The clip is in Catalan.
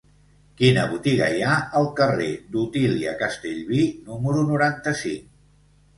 Quina botiga hi ha al carrer d'Otília Castellví número noranta-cinc?